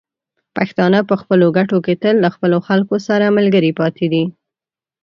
پښتانه په خپلو ګټو کې تل له خپلو خلکو سره ملګري پاتې دي.